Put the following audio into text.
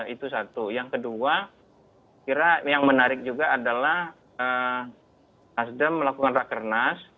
itu satu yang kedua kira yang menarik juga adalah nasdem melakukan rakernas